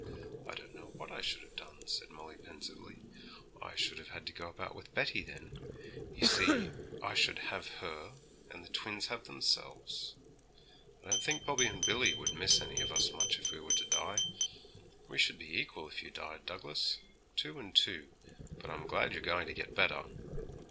'I don't know what I should have done,' said Molly pensively. 'I should have had to go about with Betty then. You see, I should have her, and the twins have themselves. I don't think Bobby and Billy would miss any of us much if we were to die. We should be equal if you died, Douglas two and two, but I'm glad you're going to get better.'